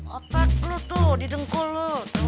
otak lo tuh didengkul lo